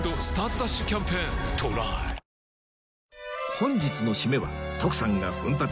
本日の締めは徳さんが奮発